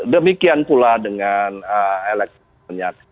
demikian pula dengan elektronik